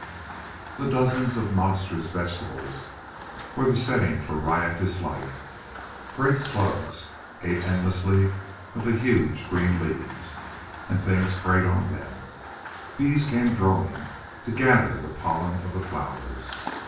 The dozens of monstrous vegetables were the setting for riotous life: great slugs ate endlessly of the huge green leaves and things preyed on them; bees came droning to gather the pollen of the flowers.